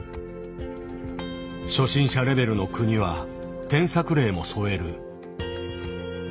初心者レベルの句には添削例も添える。